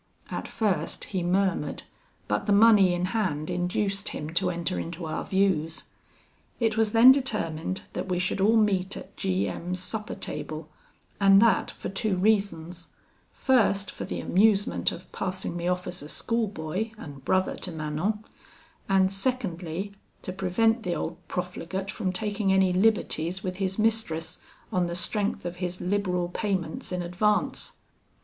At first he murmured, but the money in hand induced him to enter into our views. It was then determined that we should all meet at G M 's supper table, and that, for two reasons: first, for the amusement of passing me off as a schoolboy, and brother to Manon; and secondly, to prevent the old profligate from taking any liberties with his mistress, on the strength of his liberal payments in advance.